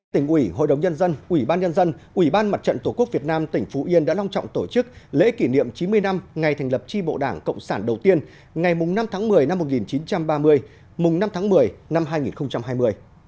tỉnh ủy hội đồng nhân dân ủy ban nhân dân ủy ban mặt trận tổ quốc việt nam tỉnh phú yên đã long trọng tổ chức lễ kỷ niệm chín mươi năm ngày thành lập tri bộ đảng cộng sản đầu tiên ngày năm tháng một mươi năm một nghìn chín trăm ba mươi mùng năm tháng một mươi năm hai nghìn hai mươi